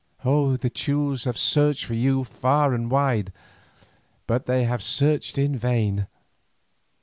The Teules have searched for you far and wide, but they have searched in vain.